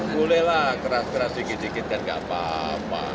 bolehlah keras keras dikit dikit kan gak apa apa